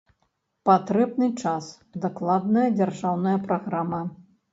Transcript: Патрэбны час, дакладная дзяржаўная праграма.